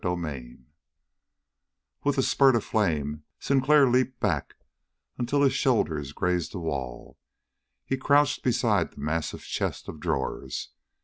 24 With the spurt of flame, Sinclair leaped back until his shoulders grazed the wall. He crouched beside the massive chest of drawers.